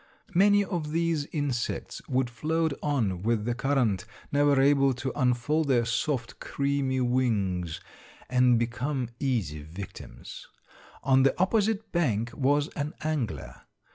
Many of these insects would float on with the current, never able to unfold their soft, creamy wings, and become easy victims. On the opposite bank was an angler.